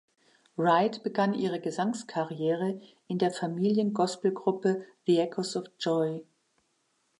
Wright begann ihre Gesangskarriere in der Familien-Gospelgruppe „The Echoes of Joy“.